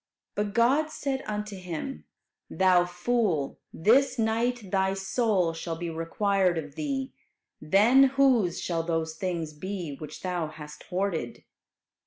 '" But God said unto him, "Thou fool, this night thy soul shall be required of thee; then whose shall those things be which thou hast hoarded?"